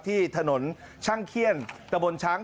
ที่ถนนช่างเขี้ยนตะบนช้าง